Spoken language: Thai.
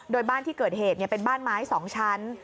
โดยบ้านที่เกิดเหตุเป็นบ้านไม้๒ชั้น